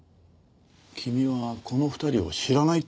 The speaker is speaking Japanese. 君はこの２人を知らないって言ったね？